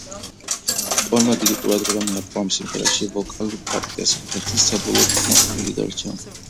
პოლმა დიდი ყურადღება მიაპყრო ამ სიმღერაში ვოკალურ პარტიას, რითაც ის საბოლოოდ კმაყოფილი დარჩა.